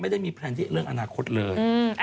ไม่ได้มีแพลนที่เรื่องอนาคตเลย